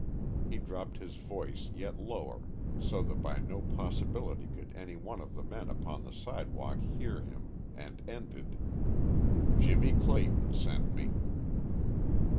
He dropped his voice yet lower so that by no possibility could any one of the men upon the sidewalk hear him, and ended, "Jimmie Clayton sent me."